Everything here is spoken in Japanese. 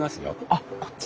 あっこっち？